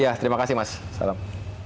ya terima kasih mas salam